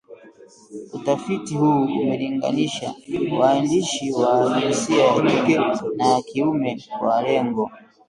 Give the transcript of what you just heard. utafiti huu umelinganisha waandishi wa jinsia ya kike na ya kiume kwa lengo